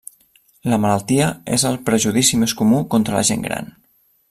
La malaltia és el prejudici més comú contra la gent gran.